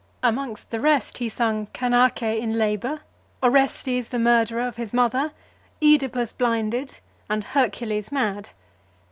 Amongst the rest, he sung "Canace in Labour," "Orestes the Murderer of his Mother," "Oedipus (352) Blinded," and "Hercules Mad."